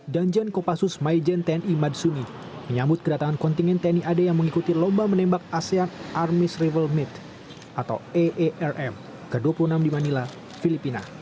danjen kopassus majen tni matsuni menyambut kedatangan kontingen tni ad yang mengikuti lomba menembak asean army's rifle meets atau aarm ke dua puluh enam di manila filipina